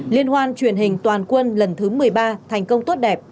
liên hoan truyền hình toàn quân lần thứ một mươi ba thành công tốt đẹp